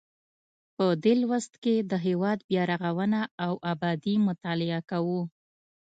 په دې لوست کې د هیواد بیا رغونه او ابادي مطالعه کوو.